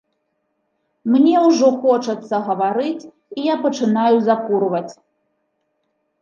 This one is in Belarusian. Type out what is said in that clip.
Мне ўжо хочацца гаварыць, і я пачынаю закурваць.